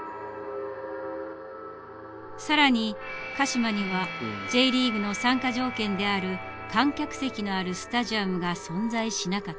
更に鹿嶋にはＪリーグの参加条件である観客席のあるスタジアムが存在しなかった。